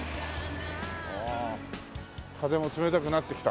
ああ風も冷たくなってきた。